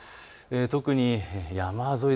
特に山沿い。